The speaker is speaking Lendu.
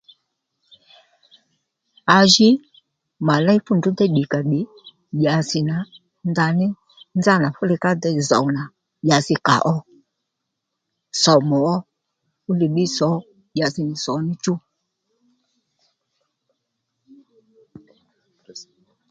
À ji mà léy fú ndrǔ déy ddìkàddì dyási nà ndaní nzánà fuli ká dey zòw nà dyasi kàó sòmù ó fúli ddí sǒ dyasi sǒmù níchú